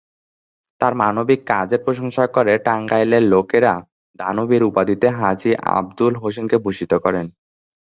তার মানবিক কাজের প্রশংসা করে টাঙ্গাইলের লোকেরা "দানবীর" উপাধিতে হাজী আবুল হোসেনকে ভূষিত করেন।